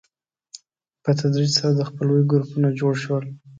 په تدریج سره د خپلوۍ ګروپونه جوړ شول.